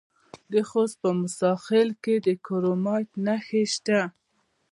د خوست په موسی خیل کې د کرومایټ نښې شته.